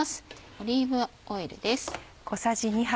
オリーブオイルです。